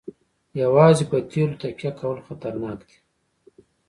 یوازې په تیلو تکیه کول خطرناک دي.